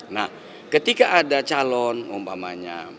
nah ketika ada calon umpamanya